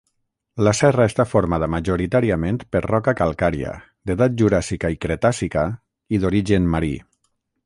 La serra està formada majoritàriament per roca calcària, d'edat juràssica i cretàcica i d'origen marí.